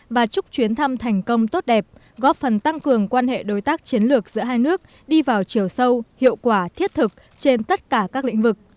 và chúc chuyến thăm thành công tốt đẹp góp phần tăng cường quan hệ đối tác chiến lược giữa hai nước đi vào chiều sâu hiệu quả thiết thực trên tất cả các lĩnh vực